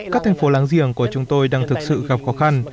các thành phố láng giềng của chúng tôi đang thực sự gặp khó khăn